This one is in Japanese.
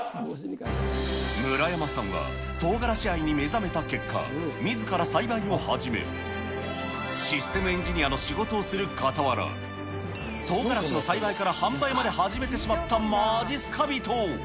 村山さんは、とうがらし愛に目覚めた結果、みずから栽培を始め、システムエンジニアの仕事をするかたわら、とうがらしの栽培から販売まで始めてしまったまじっすか人。